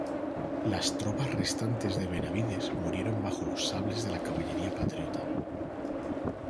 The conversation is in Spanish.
Las tropas restantes de Benavides murieron bajo los sables de la caballería patriota.